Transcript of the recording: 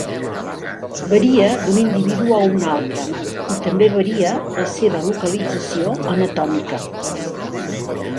Varia d'un individu a un altre, i també varia la seva localització anatòmica.